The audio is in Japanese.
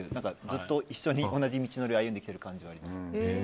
ずっと一緒に同じ道のりを歩んでる感じはします。